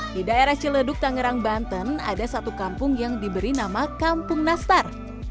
di daerah ciledug tangerang banten ada satu kampung yang diberi nama kampung nastar